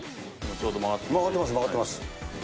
曲がってます、曲がってます。